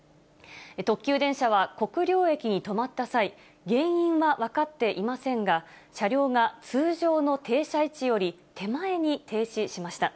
特急電車は国領駅に止まった際、原因は分かっていませんが、車両が通常の停車位置より手前に停止しました。